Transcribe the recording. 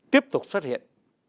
tiếp tục xuất hiện